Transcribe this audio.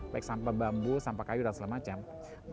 baik sampah bambu sampah kayu dan sebagainya